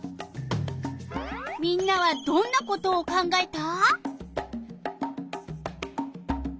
みんなはどんなことを考えた？